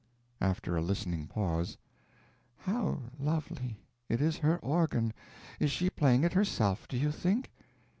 After a listening pause: "How lovely! It is her organ. Is she playing it herself, do you think?"